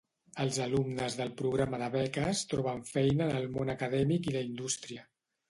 Els alumnes del Programa de Beques troben feina en el món acadèmic i la indústria.